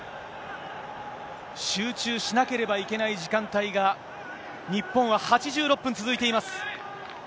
集中しなければいけない時間帯が、日本は８６分続いています。